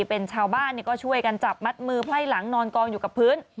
เป็นชาวบ้านก็ช่วยกันจับมัดมือไพ่หลังนอนกองอยู่กับพื้น